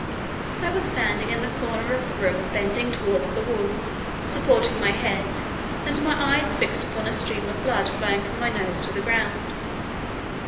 I was standing in the corner of a room bending towards the wall, supporting my head, and my eyes fixed upon a stream of blood flowing from my nose to the ground.